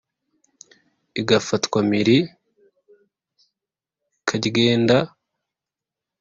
Igafatwa mpiri Karyenda.